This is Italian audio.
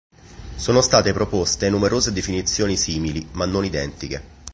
Sono state proposte numerose definizioni simili ma non identiche.